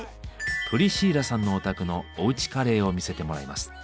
プリシーラさんのお宅のおうちカレーを見せてもらいます。